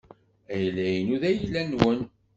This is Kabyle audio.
Ayla-inu d ayla-nwen.